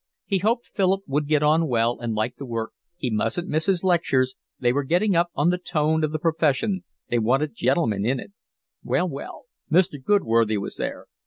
He hoped Philip would get on well and like the work, he mustn't miss his lectures, they were getting up the tone of the profession, they wanted gentlemen in it. Well, well, Mr. Goodworthy was there.